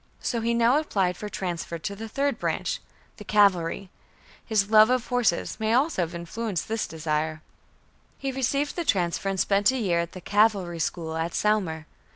So he now applied for transfer to the third branch, the cavalry. His love of horses may also have influenced this desire. He received the transfer and spent a year in the Cavalry School at Saumur.